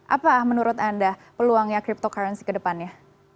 apa menurut anda peluangnya cryptocurrency ke depannya